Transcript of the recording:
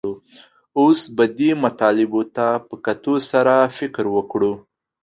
اوس به دې مطالبو ته په کتو سره فکر وکړو